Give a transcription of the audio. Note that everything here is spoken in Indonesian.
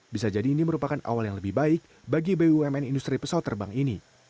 bisa jadi ini merupakan awal yang lebih baik bagi bumn industri pesawat terbang ini